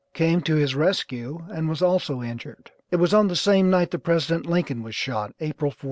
came to his rescue and was also injured. It was on the same night that President Lincoln was shot, April 14.